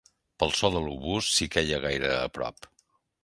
...pel so de l'obús, si queia gaire a prop.